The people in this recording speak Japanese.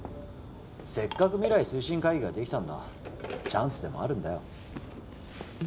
せっかく未来推進会議ができたんだチャンスでもあるんだよ